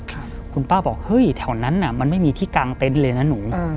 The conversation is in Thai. คุณป้าบอกเฮ้ยแถวนั้นน่ะมันไม่มีที่กลางเต็นต์เลยนะหนูอืม